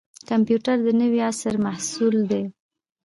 کمپیوټر د نوي عصر محصول دی